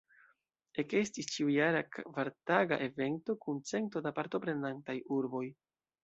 Ekestis ĉiujara, kvartaga evento kun cento da partoprenantaj urboj.